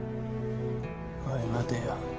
おい待てよ。